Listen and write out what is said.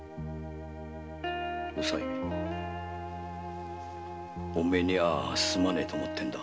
おさいお前にはすまねえと思ってたんだ。